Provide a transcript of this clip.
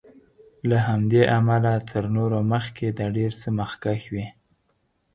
له همدې امله تر نورو مخکې د ډېر څه مخکښ وي.